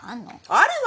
あるわよ